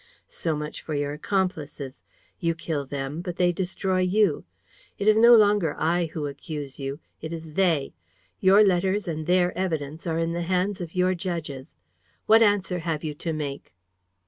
So much for your accomplices! You kill them, but they destroy you. It is no longer I who accuse you, it is they. Your letters and their evidence are in the hands of your judges. What answer have you to make?"